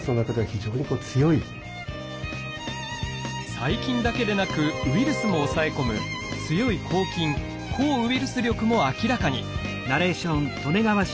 細菌だけでなくウイルスも抑え込む強い抗菌抗ウイルス力も明らかに！